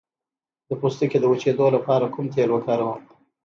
د پوستکي د وچیدو لپاره کوم تېل وکاروم؟